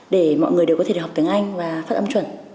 để mọi người đều có thể được học tiếng anh và phát âm chuẩn